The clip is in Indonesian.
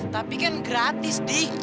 tapi kan gratis di